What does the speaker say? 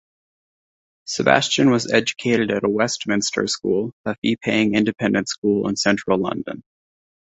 Sebastian was educated at Westminster School, a fee-paying independent school in Central London.